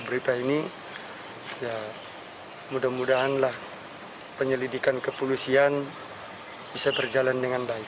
berita ini ya mudah mudahanlah penyelidikan kepolisian bisa berjalan dengan baik